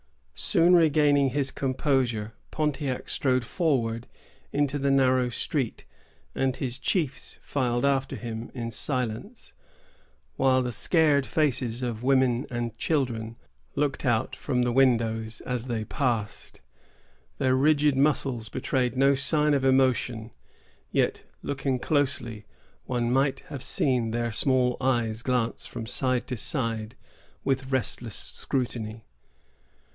Soon regaining his composure, Pontiac strode forward into the narrow street; and his chiefs filed after him in silence, while the scared faces of women and children looked out from the windows as they passed. Their rigid muscles betrayed no sign of emotion; yet, looking closely, one might have seen their small eyes glance from side to side with restless scrutiny.